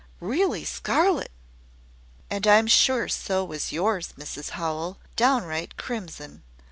really scarlet!" "And I'm sure so was yours, Mrs Howell, downright crimson."